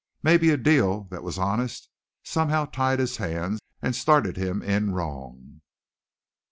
Maybe a deal that was honest somehow tied his hands and started him in wrong.